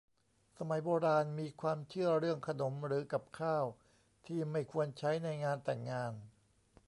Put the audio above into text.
สมัยโบราณมีความเชื่อเรื่องขนมหรือกับข้าวที่ไม่ควรใช้ในงานแต่งงาน